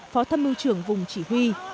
phó thâm mưu trưởng vùng chỉ huy